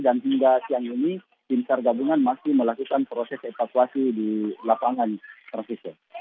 dan hingga siang ini tim sar gabungan masih melakukan proses evakuasi di lapangan proviso